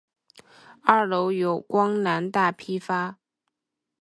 二楼有光南大批发。